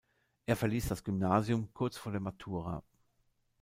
Er verliess das Gymnasium kurz vor der Matura.